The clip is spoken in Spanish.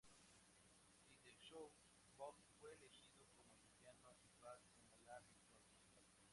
Sideshow Bob fue elegido como el villano y Bart como la víctima principal.